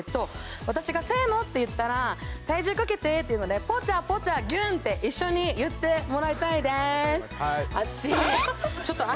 私が「せーの」って言ったら「体重かけて」って言うので「ポチャポチャギュン」って一緒に言ってもらいたいですあちー！